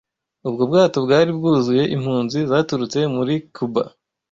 Ubwo bwato bwari bwuzuye impunzi zaturutse muri Cuba.